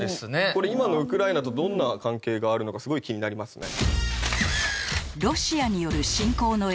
これ今のウクライナとどんな関係があるのかすごい気になりますね。